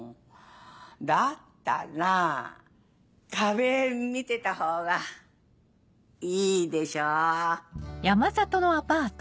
だったら壁見てた方がいいでしょ。